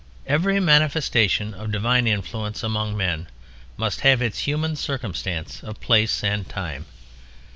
Every manifestation of divine influence among men must have its human circumstance of place and time.